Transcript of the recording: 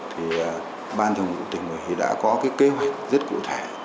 thì ban thường vụ tỉnh ủy đã có cái kế hoạch rất cụ thể